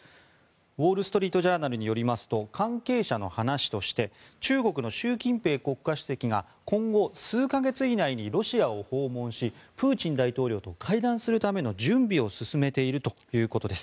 ウォール・ストリート・ジャーナルによりますと関係者の話として中国の習近平国家主席が今後数か月以内にロシアを訪問しプーチン大統領と会談するための準備を進めているということです。